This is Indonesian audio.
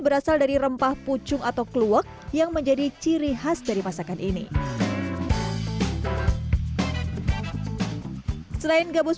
berasal dari rempah pucung atau kluwak yang menjadi ciri khas dari masakan ini selain gabus